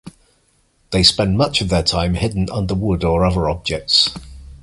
They spend much of their time hidden under wood or other objects.